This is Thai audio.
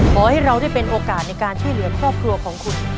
ขอให้เราได้เป็นโอกาสในการช่วยเหลือครอบครัวของคุณ